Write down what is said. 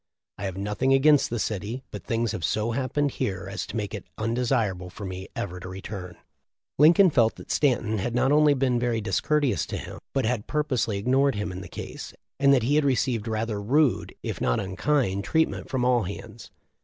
I have nothing against the city, but things have so hap pened here as to make it undesirable for me ever to return.' Lincoln felt that Stanton had not only been very discourteous to him, but had pur posely ignored him in the case, and that he had received rather rude, if not unkind, treatment from all hands.